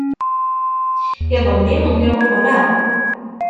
Iḍelli, lliɣ uḍneɣ.